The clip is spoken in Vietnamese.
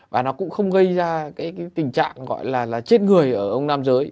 và nó cũng không gây ra cái tình trạng gọi là chết người ở ông nam giới